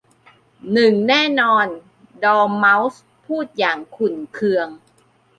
หนึ่งแน่นอน !'ดอร์เม้าส์พูดอย่างขุ่นเคือง